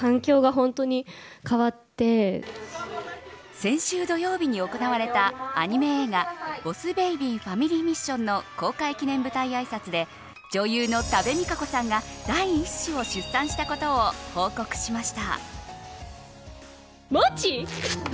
先週土曜日に行われたアニメ映画ボス・ベイビーファミリーミッションの公開記念舞台あいさつで女優の多部未華子さんが第１子を出産したことを報告しました。